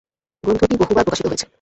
গ্রন্থটি বহুবার প্রকাশিত হয়েছে।